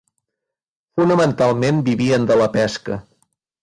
Fonamentalment vivien de la pesca.